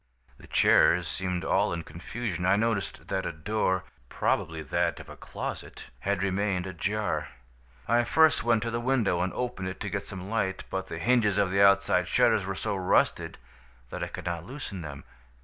"The chairs seemed all in confusion. I noticed that a door, probably that of a closet, had remained ajar. "I first went to the window and opened it to get some light, but the hinges of the outside shutters were so rusted that I could not loosen them.